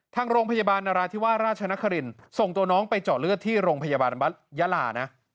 ทางโรงพยาบาลนราธิวาสราชนครินส่งตัวน้องไปเจาะเลือดที่โรงพยาบาลยาลานะ